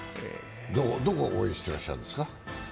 どこを応援してらっしゃるんですか？